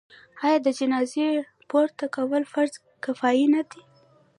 آیا د جنازې پورته کول فرض کفایي نه دی؟